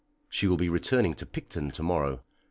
She will be returning to Picton to morrow.